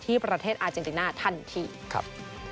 ประเทศอาเจนติน่าทันทีครับ